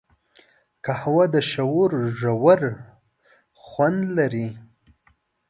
قهوه د شعور ژور خوند لري